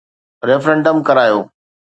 Referendum ڪرايو.